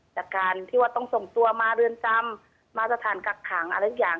จากการที่ว่าต้องส่งตัวมาเรือนจำมาสถานกักขังอะไรทุกอย่าง